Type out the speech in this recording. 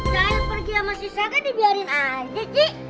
saya pergi sama si saga dibiarin aja